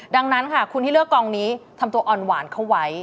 ดังนั้นค่ะคุณที่เลือกกองนี้ทำตัวอ่อนหวานเข้าไว้